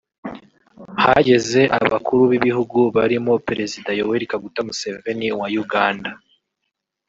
hageze abakuru b’Igihugu barimo Perezida Yoweri Kaguta Museveni wa Uganda